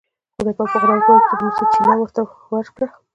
خدای پاک په قرآن کې وایي چې د مسو چینه یې ورته ورکړه.